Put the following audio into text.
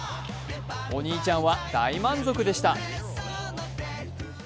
お兄ちゃんは大満足でした。